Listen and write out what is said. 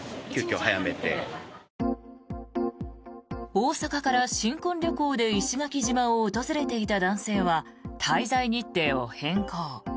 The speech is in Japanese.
大阪から新婚旅行で石垣島を訪れていた男性は滞在日程を変更。